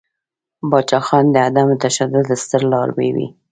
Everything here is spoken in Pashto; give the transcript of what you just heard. پاچاخان د عدم تشدد ستر لاروی ؤ.